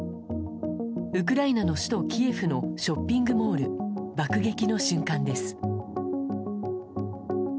ウクライナの首都キエフのショッピングモール爆撃の瞬間です。